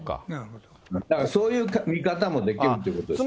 だからそういう見方もできるということです。